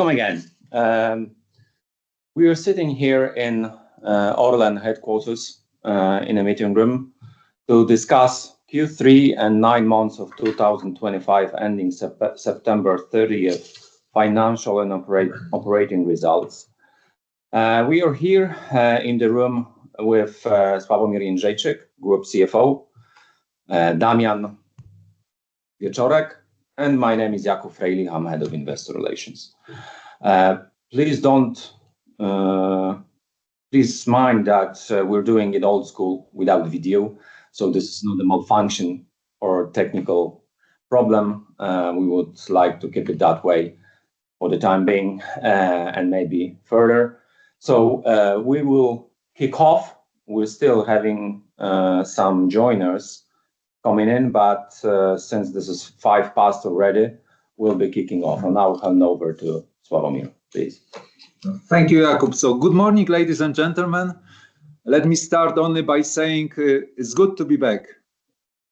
Welcome again. We are sitting here in Orlen Headquarters in a meeting room to discuss Q3 and nine months of 2025, ending September 30th, financial and operating results. We are here in the room with Sławomir Jędrzejczyk, Group CFO, Damian Wieczorek, and my name is Jakub Frejlich, I'm Head of Investor Relations. Please don't... Please mind that we're doing it old school without video, so this is not a malfunction or technical problem. We would like to keep it that way for the time being and maybe further. So we will kick off. We're still having some joiners coming in, but since this is five past already, we'll be kicking off. And I'll hand over to Sławomir, please. Thank you, Jakub. So good morning, ladies and gentlemen. Let me start only by saying, it's good to be back.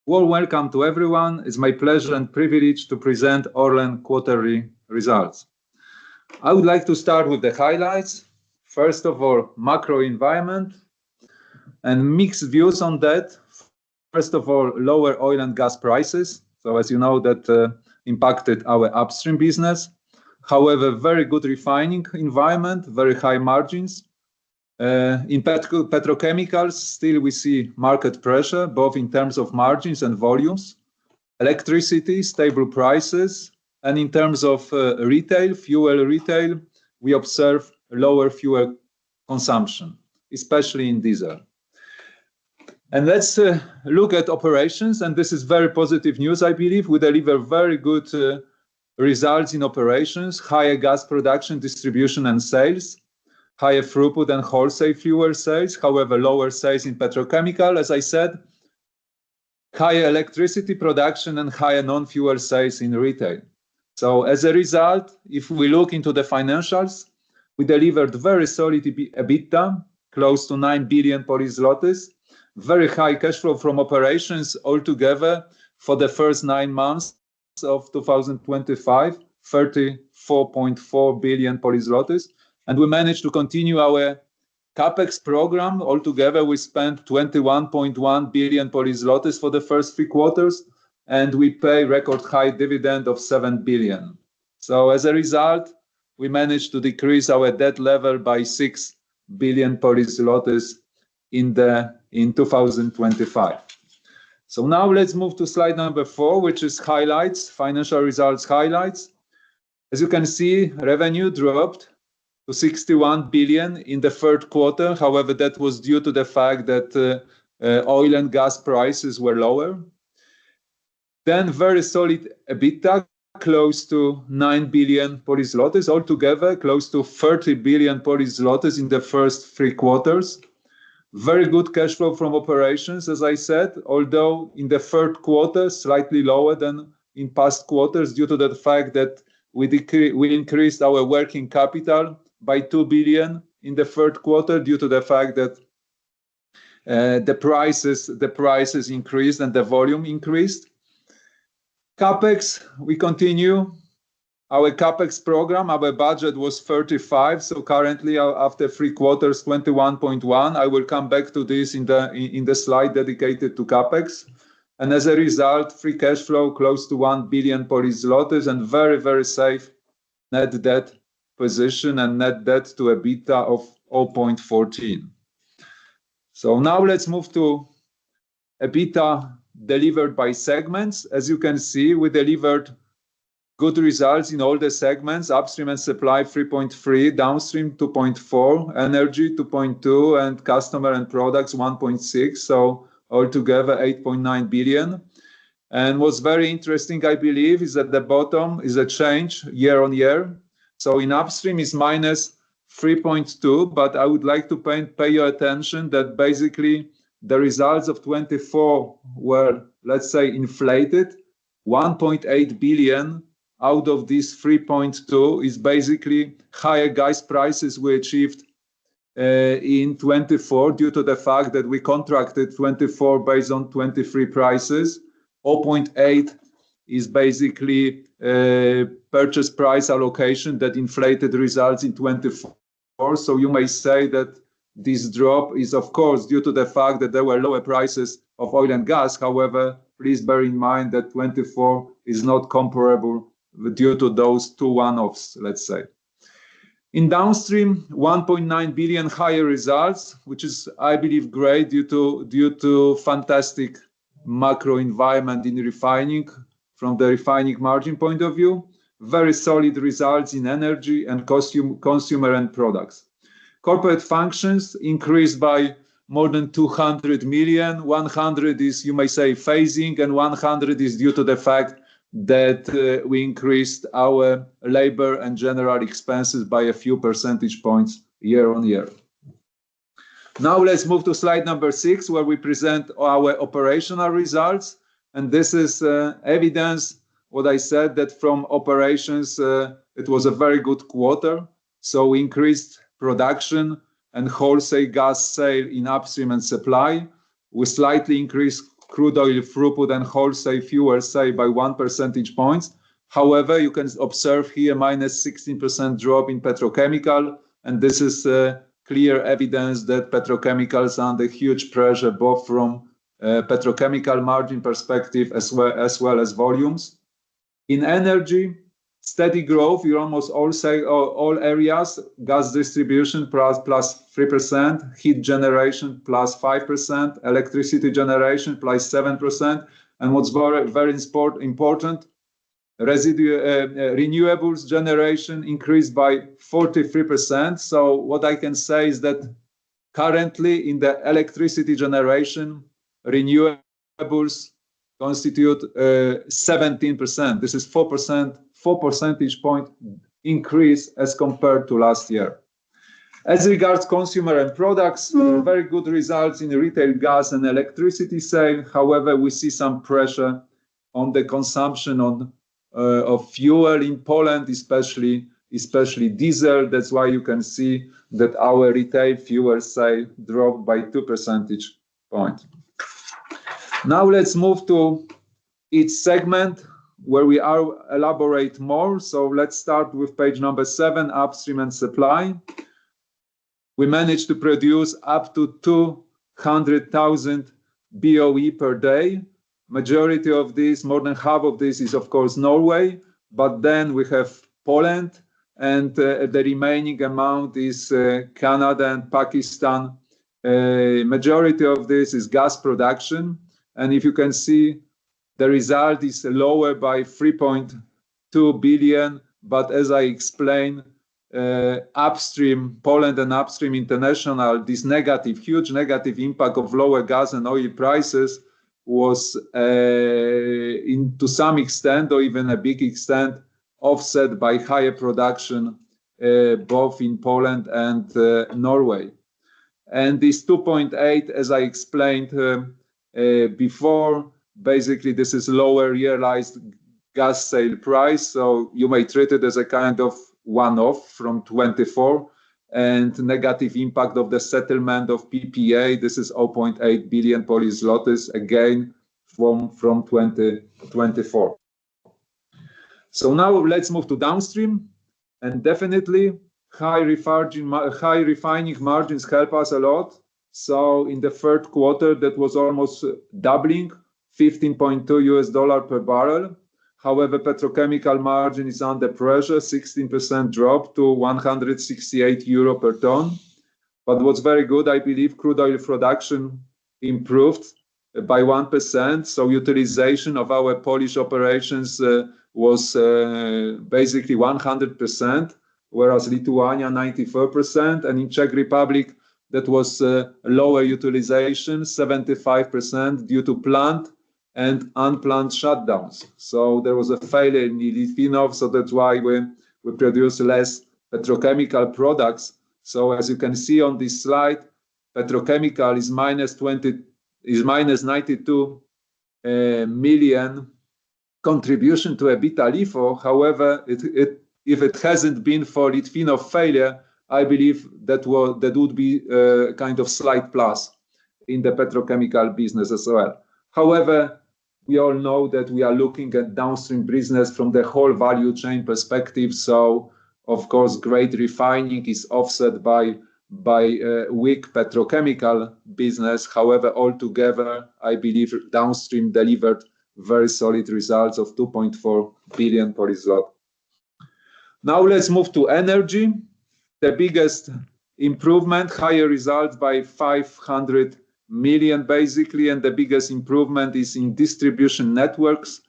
Warm welcome to everyone. It's my pleasure and privilege to present Orlen quarterly results. I would like to start with the highlights. First of all, macro environment, and mixed views on that. First of all, lower oil and gas prices, so as you know, that, impacted our upstream business. However, very good refining environment, very high margins. In petrochemicals, still we see market pressure, both in terms of margins and volumes. Electricity, stable prices, and in terms of, retail, fuel retail, we observe lower fuel consumption, especially in diesel. And let's, look at operations, and this is very positive news, I believe. We deliver very good, results in operations, higher gas production, distribution, and sales. Higher throughput and wholesale fuel sales, however, lower sales in petrochemical, as I said. Higher electricity production and higher non-fuel sales in retail. So as a result, if we look into the financials, we delivered very solid EBITDA close to 9 billion. Very high cash flow from operations altogether for the first nine months of 2025, 34.4 billion. And we managed to continue our CapEx program. Altogether, we spent 21.1 billion for the first three quarters, and we pay record high dividend of 7 billion. So as a result, we managed to decrease our debt level by 6 billion in 2025. So now let's move to slide number 4, which is highlights, financial results highlights. As you can see, revenue dropped to 61 billion in the third quarter. However, that was due to the fact that oil and gas prices were lower. Then very solid EBITDA, close to 9 billion. Altogether, close to 30 billion in the first three quarters. Very good cash flow from operations, as I said, although in the third quarter, slightly lower than in past quarters, due to the fact that we increased our working capital by 2 billion in the third quarter, due to the fact that the prices, the prices increased and the volume increased. CapEx, we continue our CapEx program. Our budget was 35, so currently, after three quarters, 21.1. I will come back to this in the slide dedicated to CapEx. As a result, free cash flow close to 1 billion Polish zlotys, and very, very safe net debt position, and net debt to EBITDA of 0.14. So now let's move to EBITDA delivered by segments. As you can see, we delivered good results in all the segments: Upstream and Supply, 3.3 billion; Downstream, 2.4 billion; Energy, 2.2 billion; and Customer and Products, 1.6 billion. So altogether, 8.9 billion. And what's very interesting, I believe, is at the bottom is a change year-on-year. So in Upstream is -3.2, but I would like to pay your attention that basically, the results of 2024 were, let's say, inflated. 1.8 billion out of these 3.2 is basically higher gas prices we achieved in 2024, due to the fact that we contracted 2024 based on 2023 prices. 0.8 is basically purchase price allocation that inflated results in 2024. So you may say that this drop is, of course, due to the fact that there were lower prices of oil and gas. However, please bear in mind that 2024 is not comparable due to those two one-offs, let's say. In Downstream, 1.9 billion higher results, which is, I believe, great due to fantastic macro environment in refining from the refining margin point of view. Very solid results in Energy and Customer and Consumer End Products. Corporate functions increased by more than 200 million. 100 is, you may say, phasing, and 100 is due to the fact that we increased our labor and general expenses by a few percentage points year-on-year. Now, let's move to slide number 6, where we present our operational results, and this is evidence what I said, that from operations, it was a very good quarter. So increased production and wholesale gas sale in Upstream and Supply. We slightly increased crude oil throughput and wholesale fuel sale by 1 percentage points. However, you can observe here minus 16% drop in petrochemical, and this is clear evidence that petrochemicals are under huge pressure, both from petrochemical margin perspective, as well as volumes. In energy, steady growth in almost all sale—all, all areas. Gas distribution +3%, heat generation +5%, electricity generation +7%, and what's very, very important, residue renewables generation increased by 43%. So what I can say is that currently in the electricity generation, renewables constitute 17%. This is four percentage point increase as compared to last year. As regards consumer end products, very good results in retail gas and electricity sale. However, we see some pressure on the consumption of fuel in Poland, especially diesel. That's why you can see that our retail fuel sale dropped by two percentage point. Now, let's move to each segment where we are elaborate more. So let's start with page number 7, Upstream and Supply. We managed to produce up to 200,000 BOE per day. Majority of this, more than half of this is, of course, Norway, but then we have Poland, and, the remaining amount is, Canada and Pakistan. Majority of this is gas production, and if you can see, the result is lower by 3.2 billion. But as I explained, upstream, Poland and upstream international, this negative, huge negative impact of lower gas and oil prices was, into some extent or even a big extent, offset by higher production, both in Poland and, Norway. And this 2.8 billion, as I explained, before, basically, this is lower year-realised gas sale price, so you may treat it as a kind of one-off from 2024. And negative impact of the settlement of PPA, this is 0.8 billion, again, from 2024. So now let's move to downstream. Definitely, high refining margins help us a lot. So in the third quarter, that was almost doubling, $15.2 per barrel. However, petrochemical margin is under pressure, 16% drop to 168 euro per tonne. But what's very good, I believe, crude oil production improved by 1%, so utilization of our Polish operations was basically 100%, whereas Lithuania, 94%, and in Czech Republic, that was lower utilization, 75%, due to plant and unplanned shutdowns. So there was a failure in Litvínov, so that's why we produced less petrochemical products. So as you can see on this slide, petrochemical is minus ninety-two million contribution to EBITDA LIFO. However, it... If it hasn't been for Litvínov failure, I believe that would, that would be kind of slight plus in the petrochemical business as well. However, we all know that we are looking at downstream business from the whole value chain perspective, so of course, great refining is offset by weak petrochemical business. However, altogether, I believe downstream delivered very solid results of 2.4 billion. Now, let's move to energy. The biggest improvement, higher results by 500 million, basically, and the biggest improvement is in distribution networks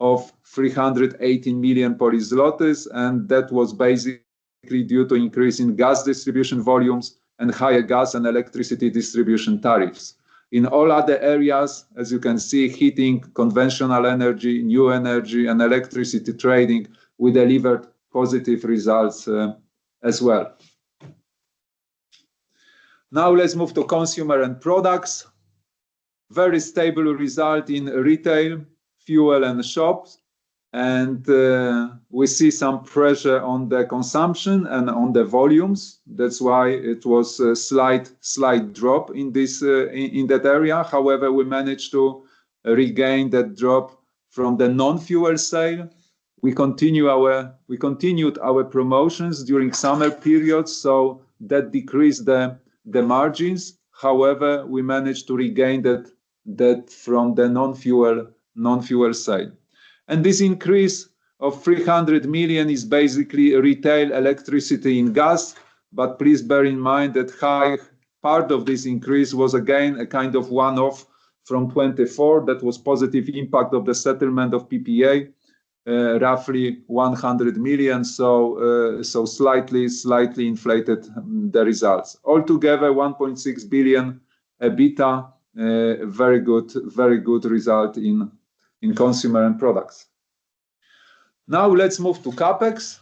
of 318 million, and that was basically due to increase in gas distribution volumes and higher gas and electricity distribution tariffs. In all other areas, as you can see, heating, conventional energy, new energy, and electricity trading, we delivered positive results as well. Now, let's move to consumer end products. Very stable result in retail, fuel, and shops, and we see some pressure on the consumption and on the volumes. That's why it was a slight, slight drop in this, in that area. However, we managed to regain that drop from the non-fuel sale. We continued our promotions during summer periods, so that decreased the margins. However, we managed to regain that from the non-fuel side. And this increase of 300 million is basically retail, electricity, and gas. But please bear in mind that high part of this increase was, again, a kind of one-off from 2024. That was positive impact of the settlement of PPA, roughly 100 million. So, so slightly, slightly inflated the results. Altogether, 1.6 billion EBITDA. Very good, very good result in consumer end products. Now, let's move to CapEx.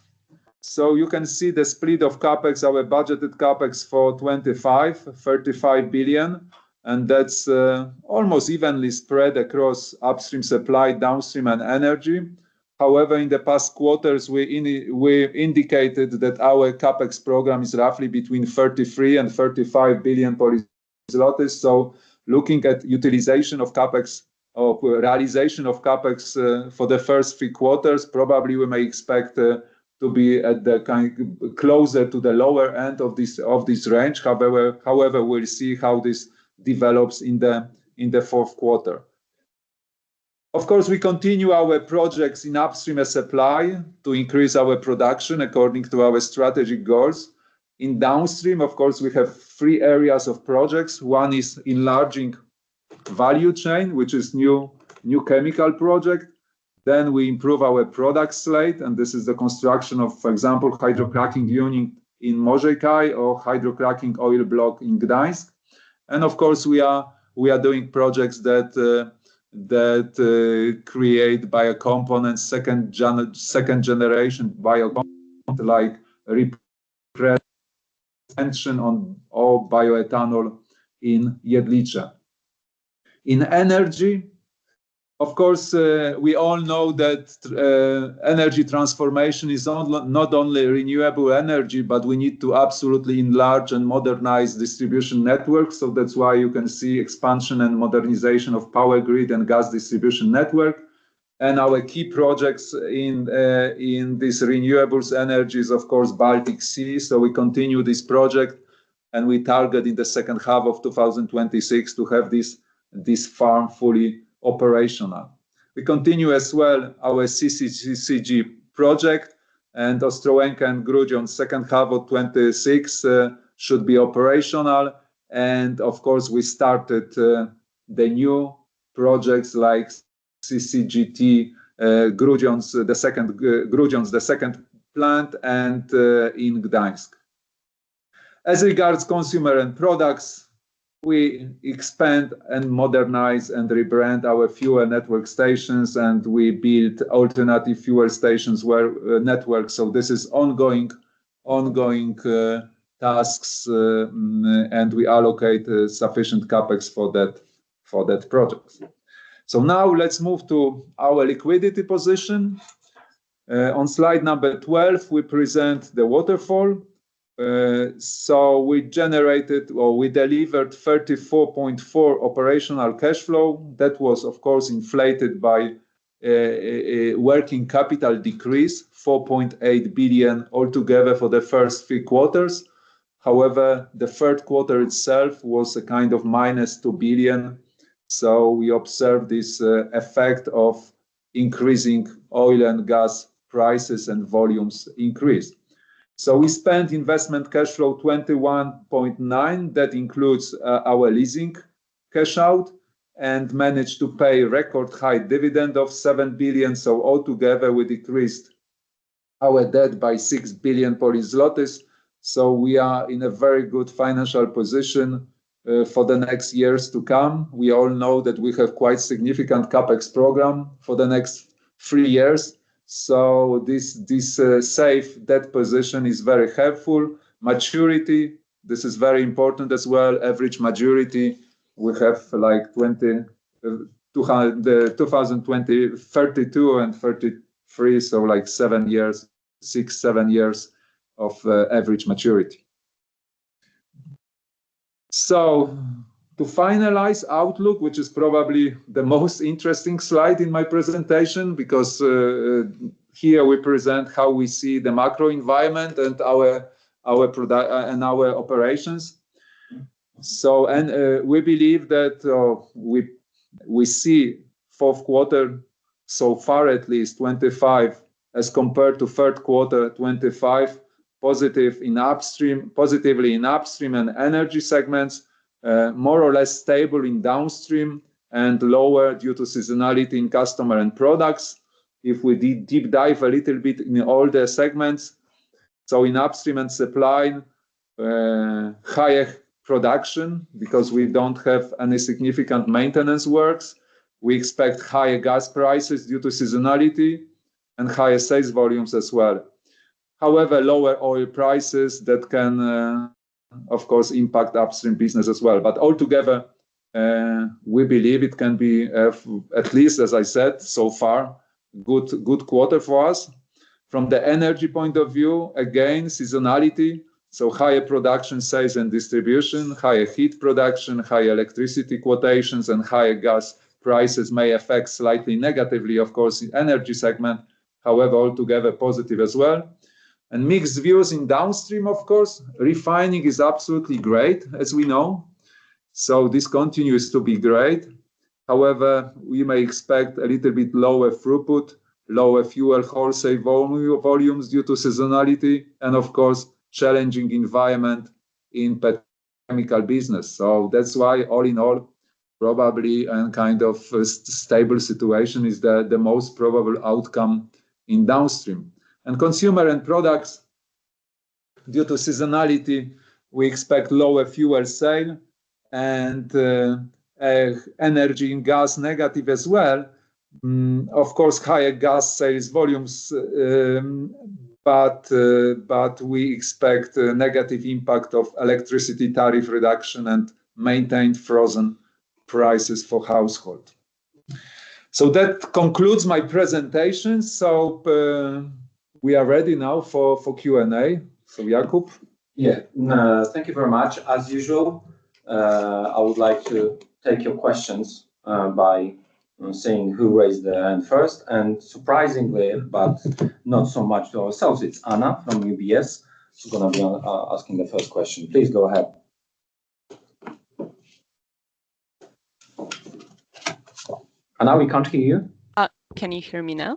So you can see the split of CapEx, our budgeted CapEx for 25-35 billion, and that's almost evenly spread across upstream, supply, downstream, and energy. However, in the past quarters, we indicated that our CapEx program is roughly between 33 billion and 35 billion Polish złoty. So looking at utilization of CapEx or realization of CapEx, for the first three quarters, probably we may expect to be kind of closer to the lower end of this range. However, we'll see how this develops in the fourth quarter. Of course, we continue our projects in upstream and supply to increase our production according to our strategic goals. In downstream, of course, we have three areas of projects. One is enlarging value chain, which is new chemical project. Then we improve our product slate, and this is the construction of, for example, hydrocracking unit in Mažeikiai or hydrocracking oil block in Gdańsk. And of course, we are doing projects that create biocomponents, second-generation biocomponent, like production of all bioethanol in Jedlicze. In energy, of course, we all know that energy transformation is not only renewable energy, but we need to absolutely enlarge and modernize distribution networks. So that's why you can see expansion and modernization of power grid and gas distribution network. And our key projects in this renewables energy is, of course, Baltic Sea. So we continue this project, and we target in the second half of 2026 to have this farm fully operational. We continue as well our CCGT project, and Ostrołęka and Grudziądz in second half of 2026 should be operational. And of course, we started the new projects like CCGT Grudziądz, the second Grudziądz, the second plant, and in Gdańsk. As regards consumer and products, we expand, and modernize, and rebrand our fuel network stations, and we build alternative fuel stations where network. So this is ongoing tasks, and we allocate sufficient CapEx for that, for that project. So now let's move to our liquidity position. On slide number 12, we present the waterfall. So we generated, or we delivered 34.4 billion operational cash flow. That was, of course, inflated by a working capital decrease, 4.8 billion altogether for the first three quarters. However, the third quarter itself was a kind of -2 billion, so we observed this effect of increasing oil and gas prices, and volumes increased. So we spent investment cash flow 21.9 billion, that includes our leasing cash out, and managed to pay record-high dividend of 7 billion. So altogether, we decreased our debt by 6 billion. So we are in a very good financial position for the next years to come. We all know that we have quite significant CapEx program for the next three years, so this safe debt position is very helpful. Maturity, this is very important as well. Average maturity, we have like 2020, 2032, and 2033, so like seven years, six, seven years of average maturity. So to finalize outlook, which is probably the most interesting slide in my presentation, because here we present how we see the macro environment and our operations. We believe that we see fourth quarter, so far at least 25, as compared to third quarter, 25, positively in upstream and energy segments, more or less stable in downstream, and lower due to seasonality in customer and products. If we did deep dive a little bit in all the segments, so in upstream and supply, higher production, because we don't have any significant maintenance works. We expect higher gas prices due to seasonality and higher sales volumes as well. However, lower oil prices that can, of course, impact upstream business as well. But altogether, we believe it can be, at least, as I said so far, good, good quarter for us. From the energy point of view, again, seasonality, so higher production, sales, and distribution, higher heat production, higher electricity quotations, and higher gas prices may affect slightly negatively, of course, the energy segment, however, altogether positive as well. Mixed views in downstream, of course. Refining is absolutely great, as we know, so this continues to be great. However, we may expect a little bit lower throughput, lower fuel wholesale volumes due to seasonality, and of course, challenging environment in petrochemical business. So that's why, all in all, probably, kind of a stable situation is the most probable outcome in downstream. Consumer and products, due to seasonality, we expect lower fuel sale and, energy and gas negative as well. Of course, higher gas sales volumes, but we expect a negative impact of electricity tariff reduction and maintained frozen prices for household. So that concludes my presentations, so we are ready now for Q&A. So, Jakub? Yeah. Thank you very much. As usual, I would like to take your questions by seeing who raised their hand first, and surprisingly, but not so much to ourselves, it's Anna from UBS, who's gonna be asking the first question. Please go ahead. Anna, we can't hear you. Can you hear me now?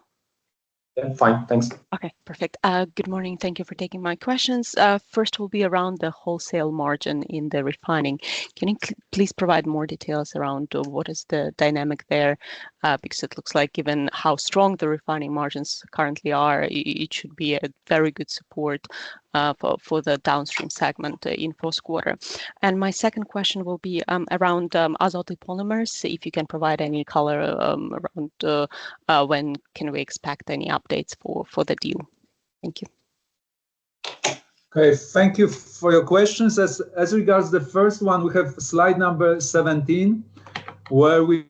Yeah, fine. Thanks. Okay, perfect. Good morning. Thank you for taking my questions. First will be around the wholesale margin in the refining. Can you please provide more details around what is the dynamic there? Because it looks like given how strong the refining margins currently are, it should be a very good support for the downstream segment in fourth quarter. And my second question will be around Azoty Polymers, if you can provide any color around when can we expect any updates for the deal? Thank you. Okay, thank you for your questions. As regards the first one, we have slide number 17, where we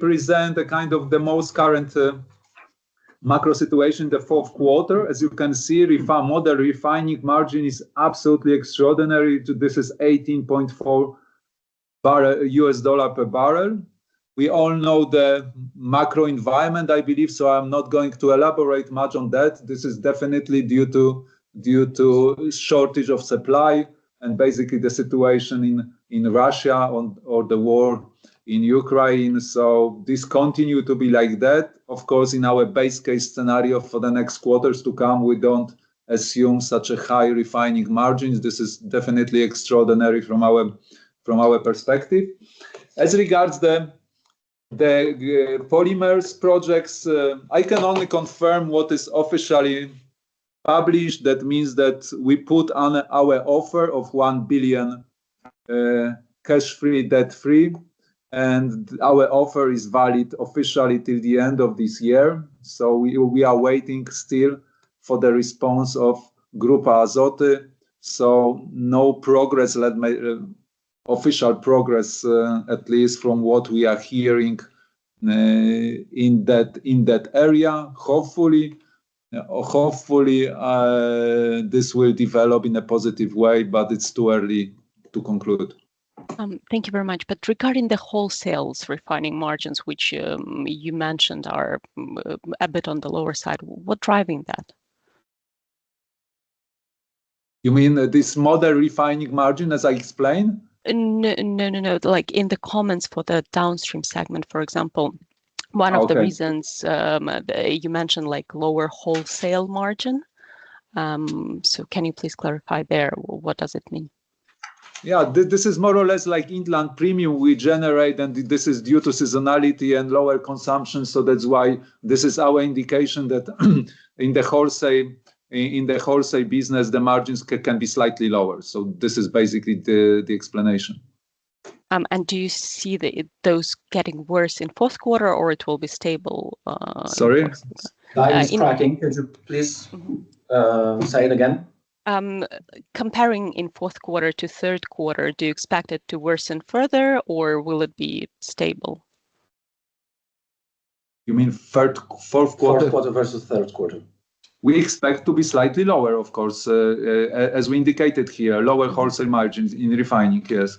present the kind of the most current, macro situation, the fourth quarter. As you can see, model refining margin is absolutely extraordinary. This is $18.4 per barrel. We all know the macro environment, I believe, so I'm not going to elaborate much on that. This is definitely due to, due to shortage of supply and basically the situation in Russia or the war in Ukraine. So this continue to be like that. Of course, in our base case scenario for the next quarters to come, we don't assume such a high refining margins. This is definitely extraordinary from our, from our perspective. As regards the polymers projects, I can only confirm what is officially published. That means that we put on our offer of 1 billion, cash-free, debt-free, and our offer is valid officially till the end of this year. So we, we are waiting still for the response of Grupa Azoty. So no progress, let me... official progress, at least from what we are hearing, in that, in that area. Hopefully, hopefully, this will develop in a positive way, but it's too early to conclude. Thank you very much. Regarding the wholesale refining margins, which you mentioned are a bit on the lower side, what's driving that? You mean this model refining margin, as I explained? No, no, no, like in the comments for the downstream segment, for example- Okay. One of the reasons you mentioned, like, lower wholesale margin. So can you please clarify there, what does it mean? Yeah, this is more or less like Inland Premium we generate, and this is due to seasonality and lower consumption. So that's why this is our indication that in the wholesale business, the margins can be slightly lower. So this is basically the explanation. Do you see the, those getting worse in fourth quarter, or it will be stable? Sorry? Time is tracking. Could you please say it again? Comparing in fourth quarter to third quarter, do you expect it to worsen further, or will it be stable? You mean third... fourth quarter? Fourth quarter versus third quarter. We expect to be slightly lower, of course, as we indicated here, lower wholesale margins in refining. Yes.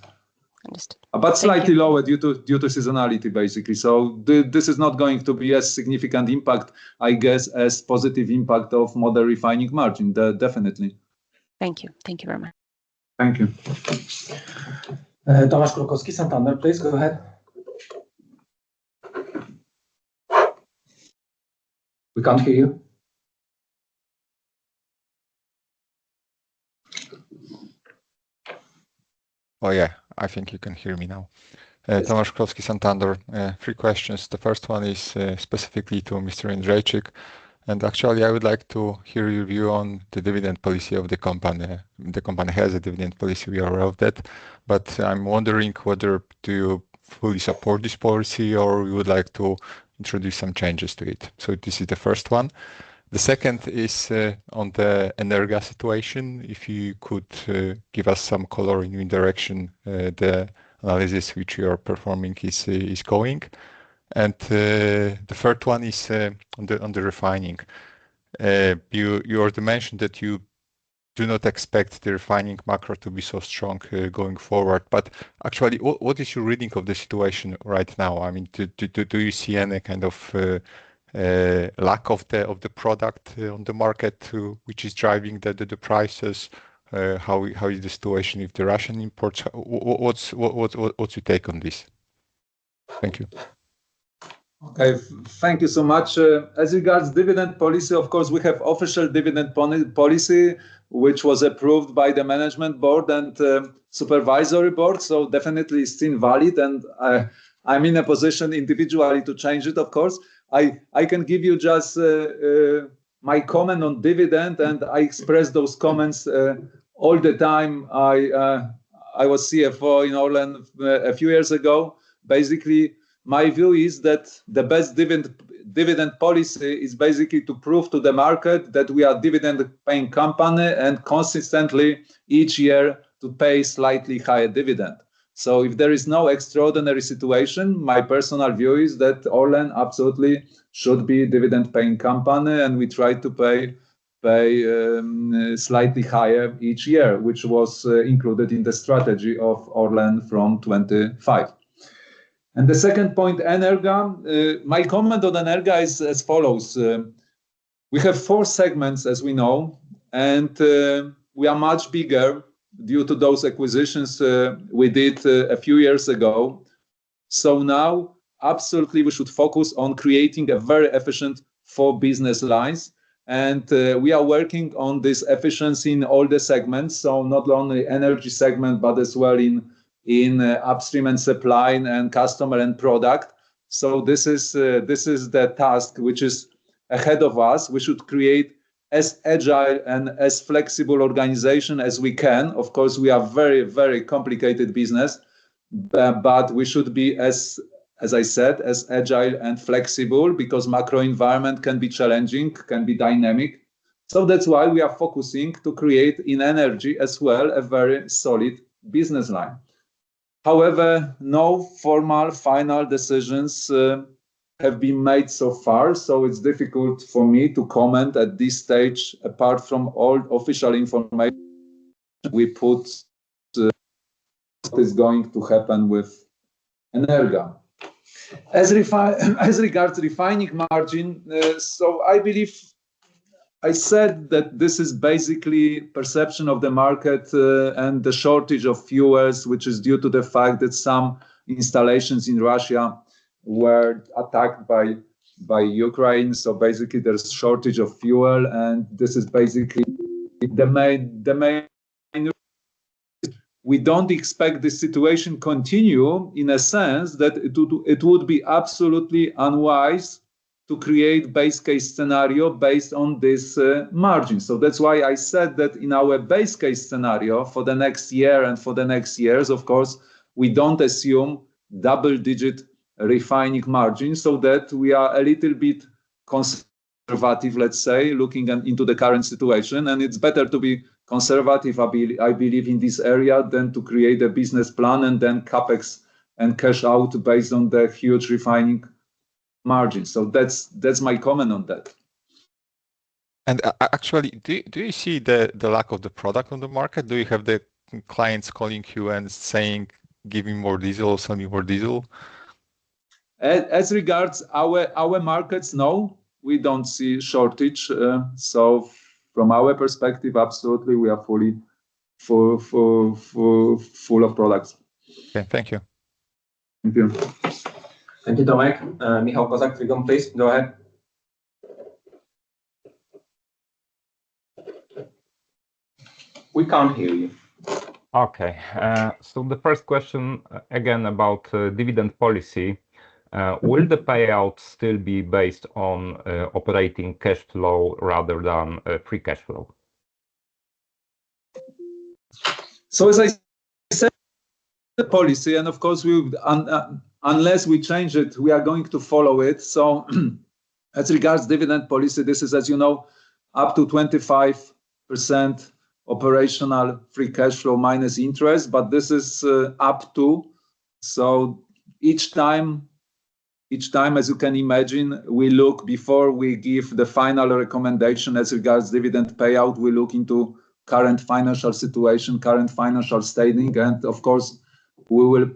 Understood. But slightly lower due to seasonality, basically. So this is not going to be a significant impact, I guess, as positive impact of model refining margin, definitely. Thank you. Thank you very much. Thank you. Tomasz Krukowski, Santander, please go ahead. We can't hear you. Oh, yeah, I think you can hear me now. Yes. Tomasz Krukowski, Santander. Three questions. The first one is, specifically to Mr. Jędrzejczyk, and actually, I would like to hear your view on the dividend policy of the company. The company has a dividend policy, we are aware of that, but I'm wondering whether do you fully support this policy or you would like to introduce some changes to it? So this is the first one. The second is, on the Energa situation, if you could, give us some color in new direction, the analysis which you are performing is going. The third one is, on the refining. You already mentioned that you do not expect the refining macro to be so strong, going forward, but actually, what is your reading of the situation right now? I mean, do you see any kind of lack of the product on the market which is driving the prices? How is the situation with the Russian imports? What's your take on this? Thank you. Okay. Thank you so much. As regards dividend policy, of course, we have official dividend policy, which was approved by the management board and the supervisory board, so definitely is still valid, and I'm in a position individually to change it, of course. I can give you just my comment on dividend, and I express those comments all the time. I was CFO in Orlen a few years ago. Basically, my view is that the best dividend policy is basically to prove to the market that we are dividend-paying company, and consistently each year to pay slightly higher dividend. So if there is no extraordinary situation, my personal view is that Orlen absolutely should be a dividend-paying company, and we try to pay, pay, slightly higher each year, which was included in the strategy of Orlen from 2025. And the second point, Energa. My comment on Energa is as follows: we have four segments, as we know, and we are much bigger due to those acquisitions we did a few years ago. So now, absolutely, we should focus on creating a very efficient four business lines, and we are working on this efficiency in all the segments. So not only energy segment, but as well in upstream, and supply, and customer, and product. So this is, this is the task which is ahead of us. We should create as agile and as flexible organization as we can. Of course, we are very, very complicated business, but we should be as, as I said, as agile and flexible because macro environment can be challenging, can be dynamic. So that's why we are focusing to create in energy as well, a very solid business line. However, no formal final decisions have been made so far, so it's difficult for me to comment at this stage, apart from all official information we put, what is going to happen with Energa. As regards refining margin, so I believe I said that this is basically perception of the market, and the shortage of fuels, which is due to the fact that some installations in Russia were attacked by, by Ukraine. So basically, there's shortage of fuel, and this is basically the main, the main... We don't expect this situation continue, in a sense that it would, it would be absolutely unwise to create base case scenario based on this margin. So that's why I said that in our base case scenario for the next year and for the next years, of course, we don't assume double-digit refining margin, so that we are a little bit conservative, let's say, looking into the current situation. And it's better to be conservative, I believe, in this area than to create a business plan and then CapEx and cash out based on the huge refining margin. So that's, that's my comment on that. Actually, do you see the lack of the product on the market? Do you have the clients calling you and saying, "Give me more Diesel. Sell me more Diesel? As regards our markets, no, we don't see shortage. So from our perspective, absolutely, we are full of products. Okay. Thank you. Thank you. Thank you, Tomek. Michał Kozak, please go ahead. We can't hear you. Okay. So the first question, again, about dividend policy. Will the payout still be based on operating cash flow rather than free cash flow? So as I said, the policy, and of course, we would... Unless we change it, we are going to follow it. So as regards dividend policy, this is, as you know, up to 25% operational free cash flow, minus interest, but this is up to. So each time, each time, as you can imagine, we look before we give the final recommendation. As regards dividend payout, we look into current financial situation, current financial standing, and of course, we will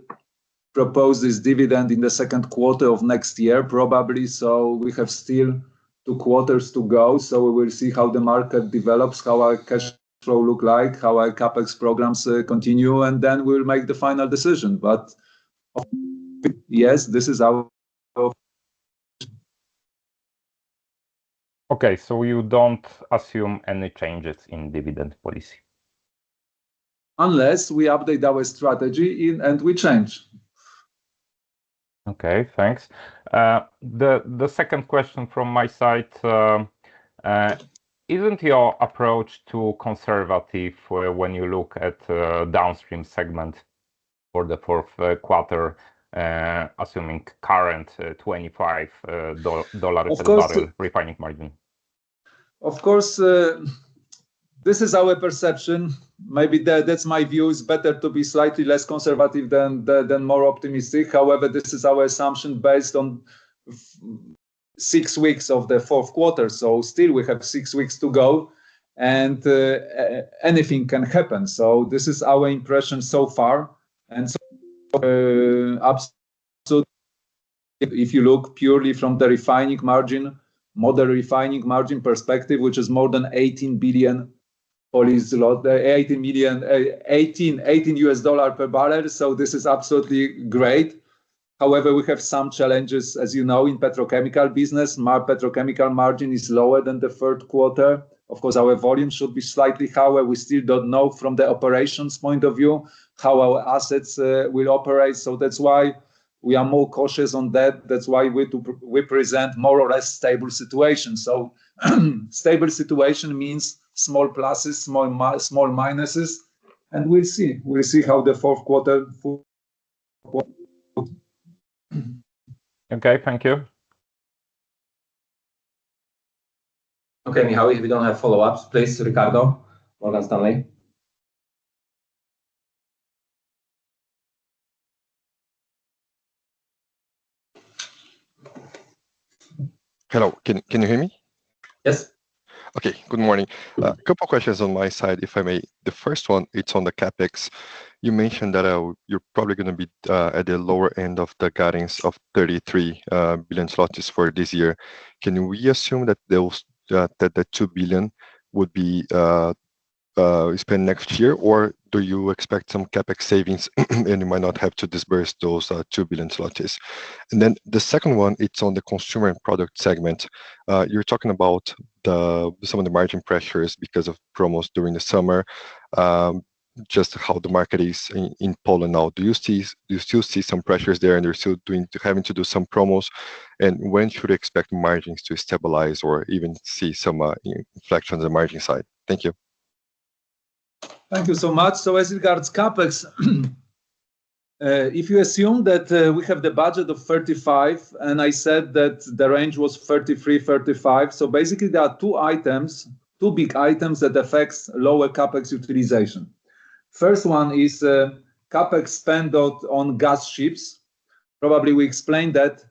propose this dividend in the second quarter of next year, probably. So we have still two quarters to go. So we will see how the market develops, how our cash flow look like, how our CapEx programs continue, and then we'll make the final decision. But yes, this is our Okay, so you don't assume any changes in dividend policy? Unless we update our strategy and we change. Okay, thanks. The second question from my side, isn't your approach too conservative when you look at downstream segment for the fourth quarter, assuming current $25 dollars- Of course,... refining margin? Of course, this is our perception. Maybe that's my view. It's better to be slightly less conservative than more optimistic. However, this is our assumption based on six weeks of the fourth quarter, so still we have six weeks to go, and anything can happen. So this is our impression so far, and so absolutely. If you look purely from the refining margin, model refining margin perspective, which is more than 18 billion, 18 million, 18, $18 per barrel, so this is absolutely great. However, we have some challenges, as you know, in petrochemical business. Our petrochemical margin is lower than the third quarter. Of course, our volume should be slightly higher. We still don't know from the operations point of view, how our assets will operate, so that's why we are more cautious on that. That's why we present more or less stable situation. Stable situation means small pluses, small minuses, and we'll see. We'll see how the fourth quarter fu-... Okay, thank you. Okay, Michał, we don't have follow-ups. Please, Ricardo, Morgan Stanley. Hello, can you hear me? Yes. Okay. Good morning. Couple questions on my side, if I may. The first one, it's on the CapEx. You mentioned that you're probably gonna be at the lower end of the guidance of 33 billion zlotys for this year. Can we assume that those that the 2 billion would be spent next year, or do you expect some CapEx savings and you might not have to disburse those 2 billion? And then the second one, it's on the consumer and product segment. You're talking about some of the margin pressures because of promos during the summer, just how the market is in Poland now. Do you still see some pressures there, and you're still having to do some promos? When should we expect margins to stabilize or even see some inflection on the margin side? Thank you. Thank you so much. So as regards CapEx, if you assume that we have the budget of 35 billion, and I said that the range was 33 billion-35 billion. So basically, there are two items, two big items that affects lower CapEx utilization. First one is CapEx spend on gas ships. Probably, we explained that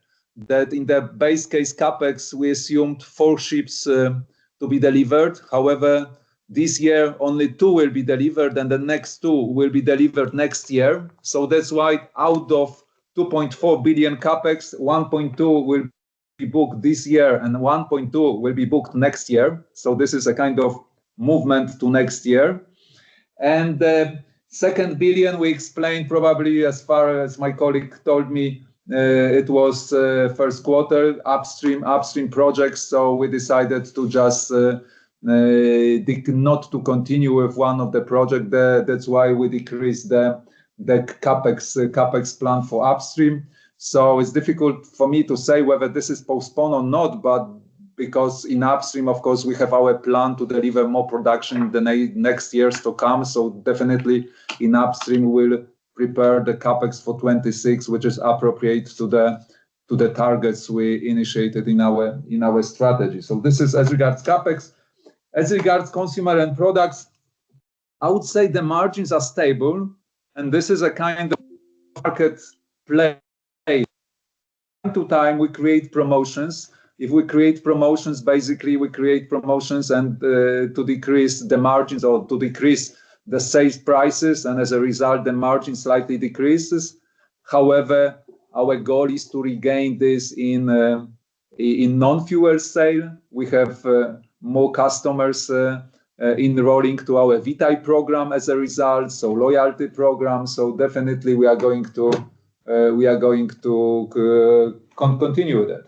in the base case CapEx, we assumed four ships to be delivered. However, this year, only two will be delivered, and the next two will be delivered next year. So that's why out of 2.4 billion CapEx, 1.2 billion will be booked this year, and 1.2 billion will be booked next year. So this is a kind of movement to next year. And second 1 billion, we explained probably, as far as my colleague told me, it was first quarter upstream projects, so we decided to just not to continue with one of the project there. That's why we decreased the CapEx plan for upstream. It's difficult for me to say whether this is postponed or not, but because in upstream, of course, we have our plan to deliver more production in the next years to come. Definitely, in upstream, we'll prepare the CapEx for 2026, which is appropriate to the targets we initiated in our strategy. This is as regards CapEx. As regards consumer end products, I would say the margins are stable, and this is a kind of market play. From time to time, we create promotions. If we create promotions, basically, we create promotions and to decrease the margins or to decrease the sales prices, and as a result, the margin slightly decreases. However, our goal is to regain this in non-fuel sale. We have more customers enrolling to our VITAY program as a result, so loyalty program, so definitely we are going to continue with it.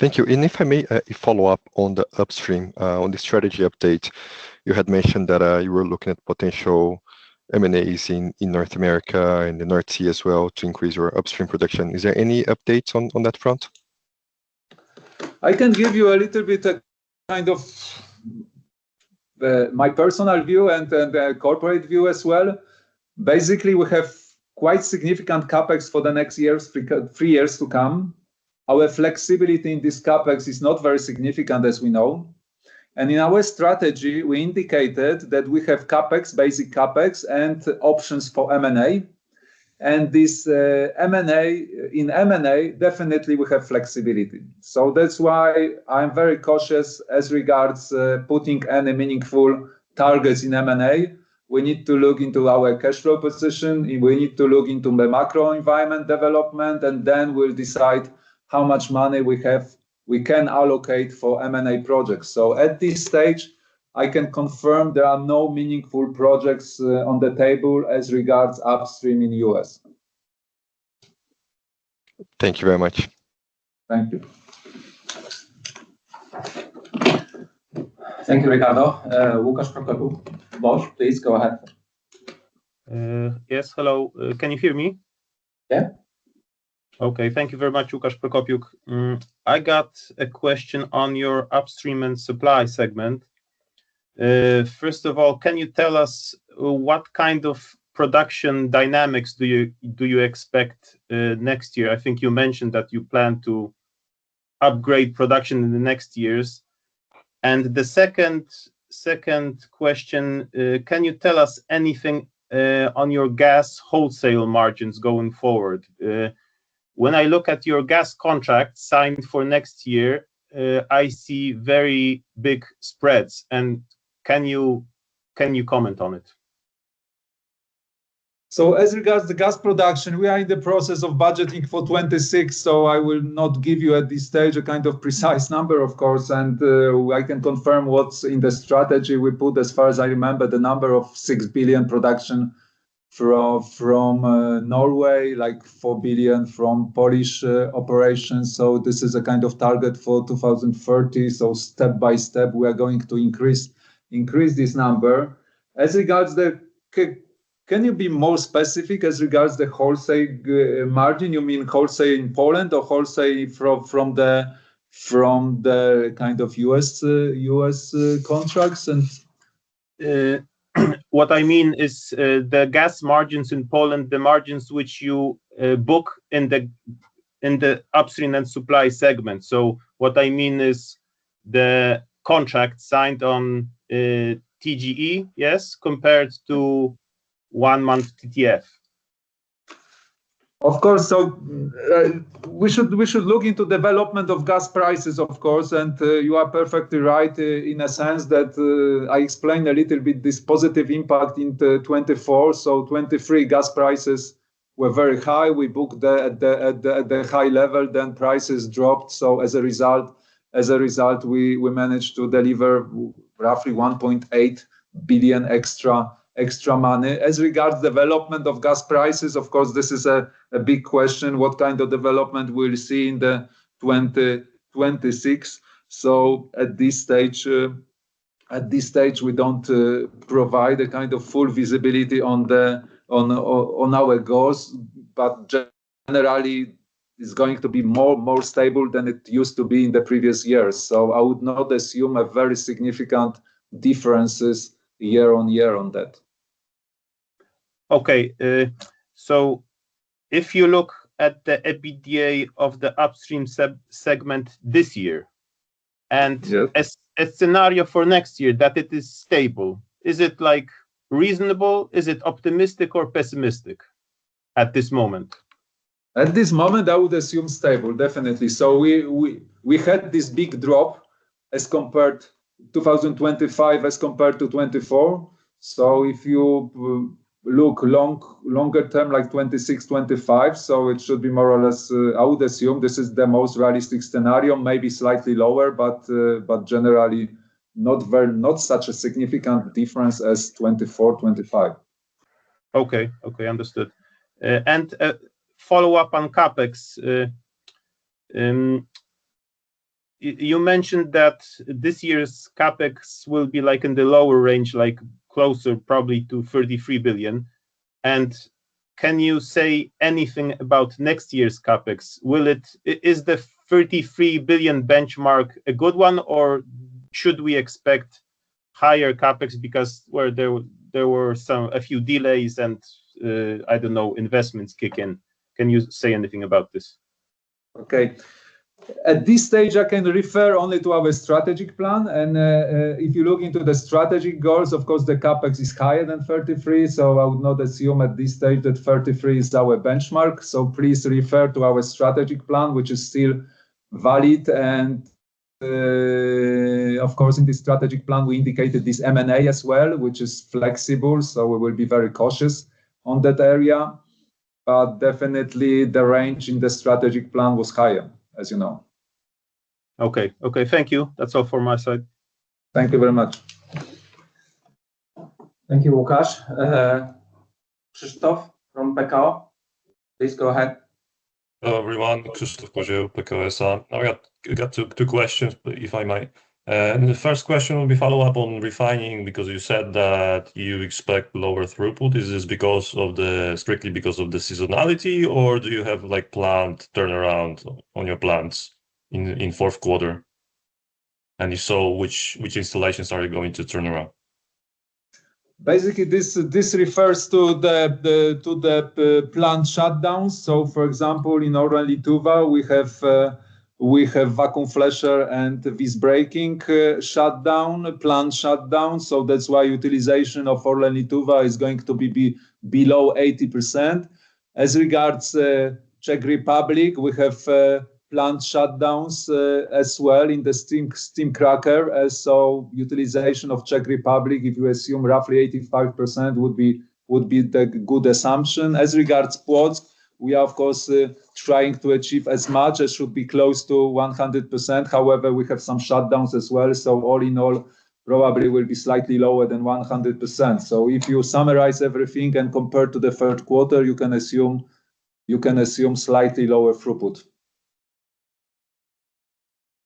Thank you. And if I may, a follow-up on the upstream. On the strategy update, you had mentioned that you were looking at potential M&As in North America and the North Sea as well to increase your upstream production. Is there any updates on that front? I can give you a little bit, kind of, my personal view and then the corporate view as well. Basically, we have quite significant CapEx for the next years, three years to come. Our flexibility in this CapEx is not very significant, as we know. And in our strategy, we indicated that we have CapEx, basic CapEx and options for M&A. And this, M&A... In M&A, definitely we have flexibility. So that's why I'm very cautious as regards, putting any meaningful targets in M&A. We need to look into our cash flow position, and we need to look into the macro environment development, and then we'll decide how much money we have, we can allocate for M&A projects. So at this stage, I can confirm there are no meaningful projects, on the table as regards upstream in US. Thank you very much. Thank you. Thank you, Ricardo. Łukasz Prokopiuk, DM BOŚ, please go ahead. Yes, hello. Can you hear me? Yeah. Okay. Thank you very much, Łukasz Prokopiuk. I got a question on your upstream and supply segment. First of all, can you tell us what kind of production dynamics do you expect next year? I think you mentioned that you plan to upgrade production in the next years. And the second question: Can you tell us anything on your gas wholesale margins going forward? When I look at your gas contract signed for next year, I see very big spreads. And can you comment on it? So as regards to gas production, we are in the process of budgeting for 2026, so I will not give you, at this stage, a kind of precise number, of course. And, I can confirm what's in the strategy we put, as far as I remember, the number of 6 billion production from, from, Norway, like 4 billion from Polish, operations. So this is a kind of target for 2030. So step by step, we are going to increase, increase this number. As regards the... Can you be more specific as regards the wholesale, margin? You mean wholesale in Poland or wholesale from, from the-... from the kind of US, US, contracts? And- What I mean is, the gas margins in Poland, the margins which you book in the upstream and supply segment. So what I mean is the contract signed on TGE, yes, compared to one-month TTF. Of course. So, we should look into development of gas prices, of course, and, you are perfectly right in a sense that, I explained a little bit this positive impact into 2024. So 2023 gas prices were very high. We booked them at the high level, then prices dropped. So as a result, we managed to deliver roughly 1.8 billion extra money. As regards development of gas prices, of course, this is a big question, what kind of development we'll see in 2026? So at this stage, we don't provide a kind of full visibility on our goals, but generally is going to be more stable than it used to be in the previous years. I would not assume a very significant difference year-over-year on that. Okay. So if you look at the EBITDA of the upstream segment this year, and- Yeah ...as a scenario for next year that it is stable, is it like reasonable? Is it optimistic or pessimistic at this moment? At this moment, I would assume stable, definitely. So we had this big drop as compared to 2025 as compared to 2024. So if you look longer term, like 2026, 2025, so it should be more or less. I would assume this is the most realistic scenario, maybe slightly lower, but generally, not very, not such a significant difference as 2024, 2025. Okay. Okay, understood. And follow-up on CapEx. You mentioned that this year's CapEx will be, like, in the lower range, like closer probably to 33 billion. And can you say anything about next year's CapEx? Will it... Is the 33 billion benchmark a good one, or should we expect higher CapEx because there were a few delays and, I don't know, investments kick in? Can you say anything about this? Okay. At this stage, I can refer only to our strategic plan, and if you look into the strategic goals, of course, the CapEx is higher than 33, so I would not assume at this stage that 33 is our benchmark. So please refer to our strategic plan, which is still valid. And, of course, in this strategic plan, we indicated this M&A as well, which is flexible, so we will be very cautious on that area, but definitely, the range in the strategic plan was higher, as you know. Okay. Okay, thank you. That's all for my side. Thank you very much. Thank you, Łukasz. Krzysztof from PKO, please go ahead. Hello, everyone. Krzysztof from PKO Bank. I got two questions, if I may. The first question will be follow-up on refining, because you said that you expect lower throughput. Is this because of the... strictly because of the seasonality, or do you have, like, plant turnaround on your plants in fourth quarter? And if so, which installations are you going to turn around? Basically, this refers to the plant shutdowns. So for example, in Orlen Lietuva, we have vacuum flasher and visbreaking shutdown, plant shutdown, so that's why utilization of Orlen Lietuva is going to be below 80%. As regards Czech Republic, we have plant shutdowns as well in the steam cracker. So utilization of Czech Republic, if you assume roughly 85%, would be the good assumption. As regards Płock, we are, of course, trying to achieve as much as should be close to 100%. However, we have some shutdowns as well, so all in all, probably will be slightly lower than 100%. So if you summarize everything and compare to the third quarter, you can assume slightly lower throughput.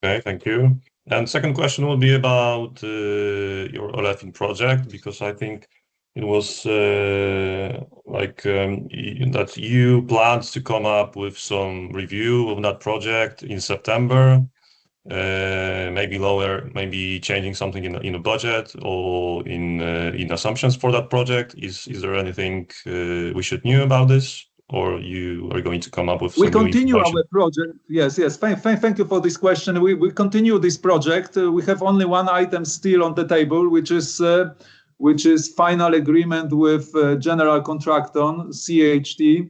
Okay, thank you. And second question will be about your Olefin project, because I think it was, like, that you planned to come up with some review of that project in September. Maybe lower, maybe changing something in the, in the budget or in, in assumptions for that project. Is there anything we should know about this, or you are going to come up with something new- We continue on the project. Yes, yes. Thank you for this question. We continue this project. We have only one item still on the table, which is final agreement with general contractor on CHD.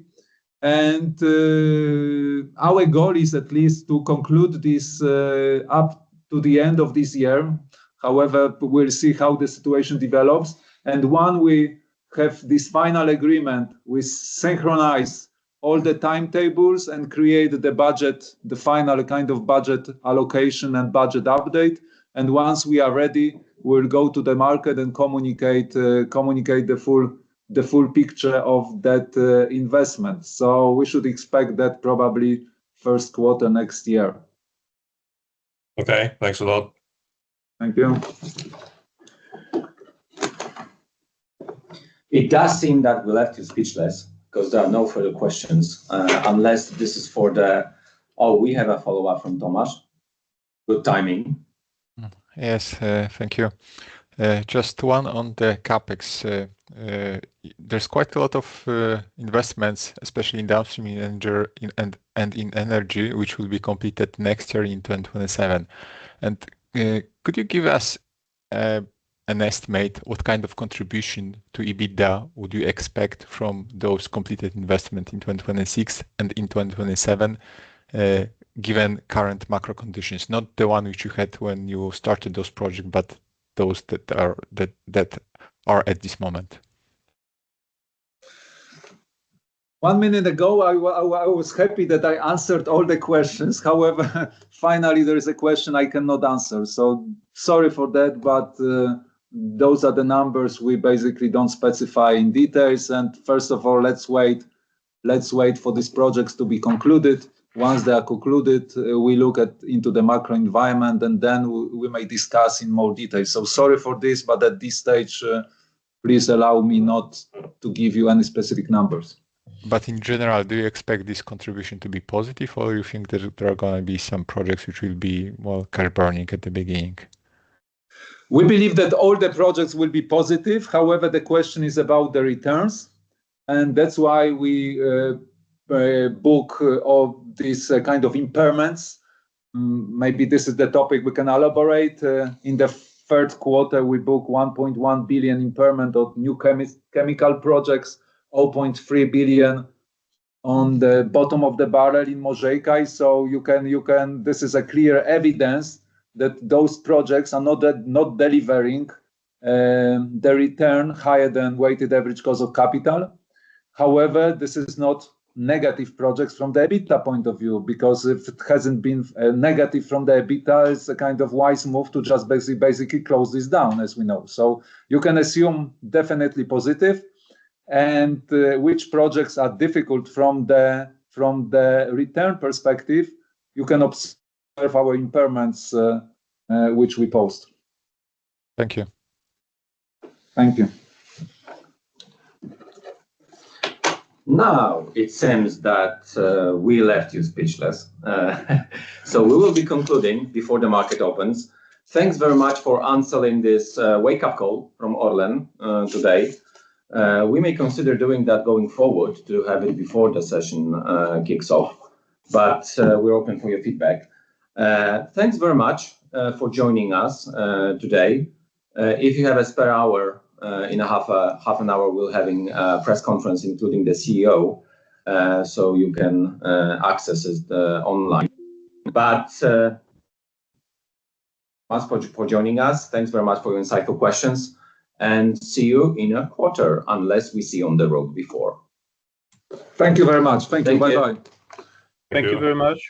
Our goal is at least to conclude this up to the end of this year. However, we'll see how the situation develops, and once we have this final agreement, we synchronize all the timetables and create the budget, the final kind of budget allocation and budget update. Once we are ready, we'll go to the market and communicate the full picture of that investment. So we should expect that probably first quarter next year. Okay, thanks a lot. Thank you.... It does seem that we left you speechless, because there are no further questions. Oh, we have a follow-up from Tomasz. Good timing. Yes, thank you. Just one on the CapEx. There's quite a lot of investments, especially in downstream and in energy, which will be completed next year in 2027. Could you give us an estimate, what kind of contribution to EBITDA would you expect from those completed investment in 2026 and in 2027, given current macro conditions? Not the one which you had when you started those project, but those that are at this moment. One minute ago, I was happy that I answered all the questions. However, finally, there is a question I cannot answer, so sorry for that, but those are the numbers we basically don't specify in detail. And first of all, let's wait, let's wait for these projects to be concluded. Once they are concluded, we look into the macro environment, and then we may discuss in more detail. So sorry for this, but at this stage, please allow me not to give you any specific numbers. In general, do you expect this contribution to be positive, or you think there are gonna be some projects which will be more kind of burning at the beginning? We believe that all the projects will be positive. However, the question is about the returns, and that's why we book this kind of impairments. Maybe this is the topic we can elaborate. In the third quarter, we booked 1.1 billion impairment of new chemical projects, 0.3 billion on the bottom of the barrel in Mažeikiai. So you can, you can... This is a clear evidence that those projects are not delivering the return higher than weighted average cost of capital. However, this is not negative projects from the EBITDA point of view, because if it hasn't been negative from the EBITDA, it's a kind of wise move to just basically close this down, as we know. So you can assume definitely positive, and which projects are difficult from the return perspective, you can observe our impairments, which we post. Thank you. Thank you. Now, it seems that we left you speechless. So we will be concluding before the market opens. Thanks very much for answering this wake-up call from Orlen today. We may consider doing that going forward, to have it before the session kicks off, but we're open for your feedback. Thanks very much for joining us today. If you have a spare half an hour, we're having a press conference, including the CEO. So you can access it online. But thanks for joining us. Thanks very much for your insightful questions, and see you in a quarter, unless we see you on the road before. Thank you very much. Thank you. Thank you. Bye-bye. Thank you very much.